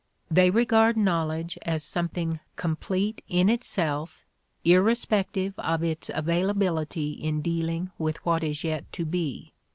They regard knowledge as something complete in itself irrespective of its availability in dealing with what is yet to be.